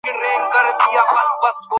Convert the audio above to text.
ওরে খোদা, বাচাইয়ো।